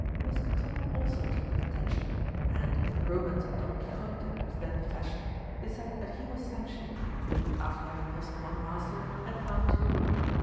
Mousqueton also attracted attention; and as the romance of Don Quixote was then the fashion, they said that he was Sancho, who, after having lost one master, had found two.